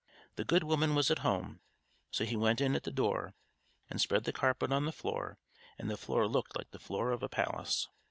The good woman was at home, so he went in at the door and spread the carpet on the floor, and the floor looked like the floor of a palace.